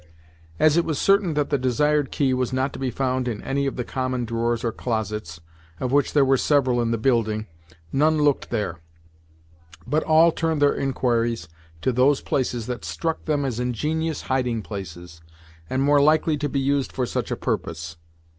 As it was certain that the desired key was not to be found in any of the common drawers or closets, of which there were several in the building, none looked there, but all turned their inquiries to those places that struck them as ingenious hiding places, and more likely to be used for such a purpose.